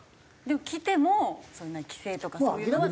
でもきてもその規制とかそういうのは。